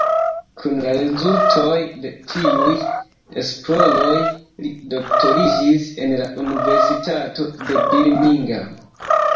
Kun la rezultoj de tiuj esploroj li doktoriĝis en la universitato de Birmingham.